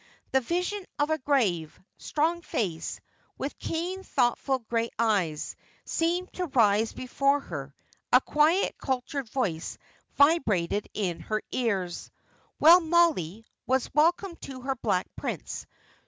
The vision of a grave, strong face, with keen, thoughtful grey eyes, seemed to rise before her; a quiet, cultured voice vibrated in her ears. Well, Mollie was welcome to her Black Prince.